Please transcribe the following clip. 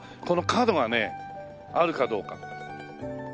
この角がねあるかどうか。